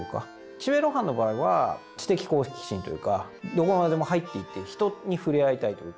岸辺露伴の場合は知的好奇心というかどこまでも入っていって人に触れ合いたいというか。